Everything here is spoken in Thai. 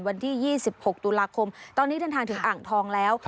วันที่๒๖ตุลาคมตอนนี้เดินทางถึงอ่างทองแล้ว